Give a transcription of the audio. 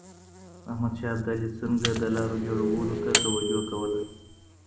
احمد شاه ابدالي څنګه د لارو جوړولو ته توجه کوله؟